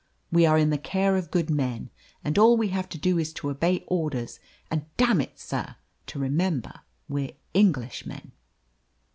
We are in the care of good men, and all we have to do is to obey orders, and damn it, sir! to remember we're Englishmen!"